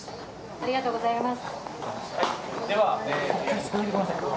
ありがとうございます。